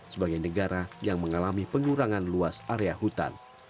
sebagai negara yang mengalami pengurangan luas area hutan